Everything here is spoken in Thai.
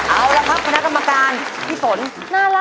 เอาละครับคุณนักกรรมการพี่สน